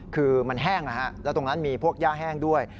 คือมันแห้งนะฮะแล้วตรงนั้นมีพวกย่าแห้งด้วย